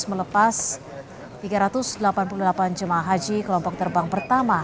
melepas tiga ratus delapan puluh delapan jemaah haji kelompok terbang pertama